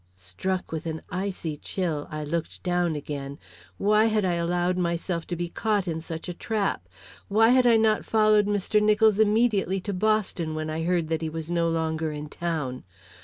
Struck with an icy chill, I looked down again. Why had I allowed myself to be caught in such a trap? Why had I not followed Mr. Nicholls immediately to Boston when I heard that he was no longer in town?